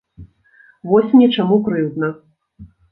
Вось мне чаму крыўдна.